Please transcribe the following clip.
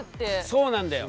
そうなんだよ。